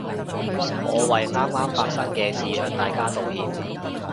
我為啱啱發生嘅事向大家道歉